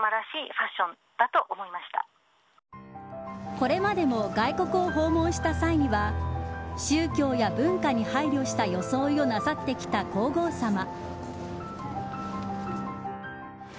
これまでも外国を訪問した際には宗教や文化に配慮した装いをなさってきた皇后さま。